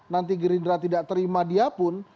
nanti gerindra tidak terima dia pun